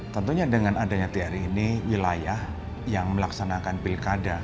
tentunya dengan adanya tri ini wilayah yang melaksanakan pilkada